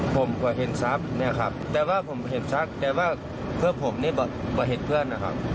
ผมก็เห็นซับเนี่ยครับแต่ว่าผมเห็นซับแต่ว่าเพื่อผมเนี่ยบ่เห็นเพื่อนนะครับ